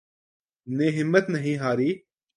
نے ہمت نہیں ہاری